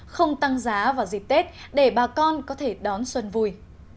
không tăng giá vào dịp tết để bà con có thể đón xuân vui